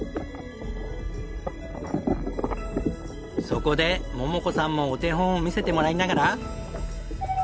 そこで桃子さんもお手本を見せてもらいながら。